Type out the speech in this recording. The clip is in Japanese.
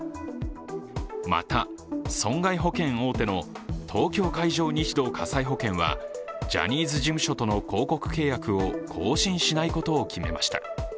また、損害保険大手の東京海上日動火災保険はジャニーズ事務所との広告契約を更新しないことを決めました。